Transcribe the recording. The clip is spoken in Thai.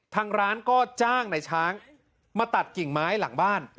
ทางร้านก็จ้างในช้างมาตัดกิ่งไม้หลังบ้าน